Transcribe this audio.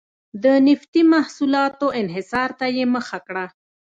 د نفتي محصولاتو انحصار ته یې مخه کړه.